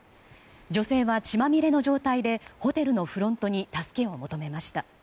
女性は血まみれの状態でホテルのフロントに助けを求めました。